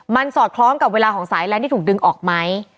มันสอดคล้องกับเวลาของสายแรงที่ถูกดึงออกไหม